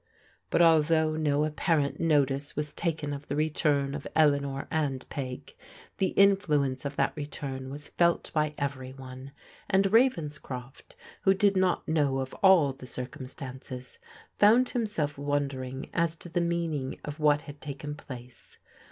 But, although no apparent notice was taken of the re turn of Eleanor and Peg, the influence of that return was felt by every one, and Ravenscroft, who did not know of all the circumstances, found himself wondering as to the meaning of what had taken place.